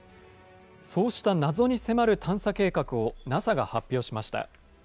そうした謎に迫る探査計画をＮＡＳＡが発表しました。